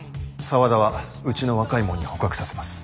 沢田はうちの若いもんに捕獲させます。